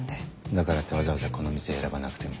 だからってわざわざこの店選ばなくても。